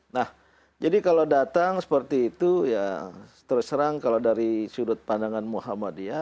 nah jadi kalau datang seperti itu ya terus terang kalau dari sudut pandangan muhammadiyah